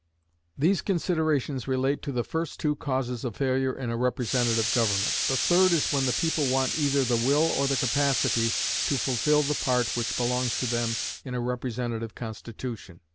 These considerations relate to the first two causes of failure in a representative government. The third is when the people want either the will or the capacity to fulfill the part which belongs to them in a representative constitution.